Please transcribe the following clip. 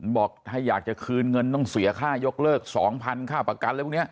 บอกถ้าอยากจะคืนเงินต้องเสียค่ายกเลิก๒๐๐ค่าประกันอะไรพวกนี้